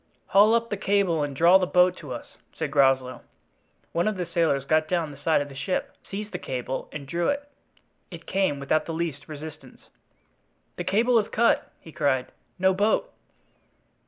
"Haul up the cable and draw the boat to us," said Groslow. One of the sailors got down the side of the ship, seized the cable, and drew it; it came without the least resistance. "The cable is cut!" he cried, "no boat!"